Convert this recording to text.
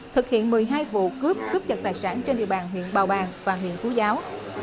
thực hiện một mươi hai vụ cướp cướp giật tài sản trên địa bàn huyện bào bàng và huyện phú giáo